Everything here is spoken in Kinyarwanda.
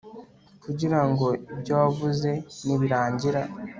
kugira ngo ibyo wavuze nibirangira